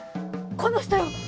この人よ！